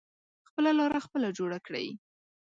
خپله لاره خپله جوړه کړی.